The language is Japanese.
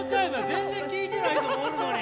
全然聞いてない人もおるのに！